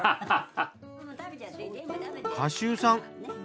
賀集さん。